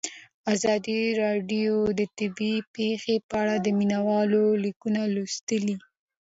ازادي راډیو د طبیعي پېښې په اړه د مینه والو لیکونه لوستي.